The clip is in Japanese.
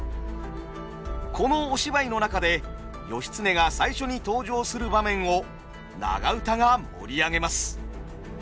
このお芝居の中で義経が最初に登場する場面を長唄が盛り上げます。